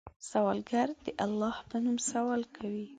سوالګر د الله په نوم سوال کوي